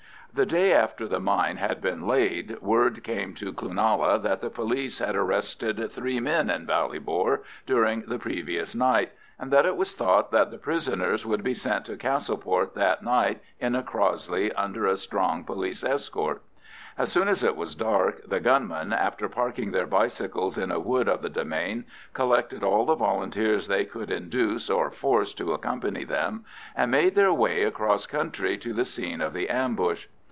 The day after the mine had been laid word came to Cloonalla that the police had arrested three men in Ballybor during the previous night, and that it was thought that the prisoners would be sent to Castleport that night in a Crossley under a strong police escort. As soon as it was dark, the gunmen, after parking their bicycles in a wood of the demesne, collected all the Volunteers they could induce or force to accompany them, and made their way across country to the scene of the ambush.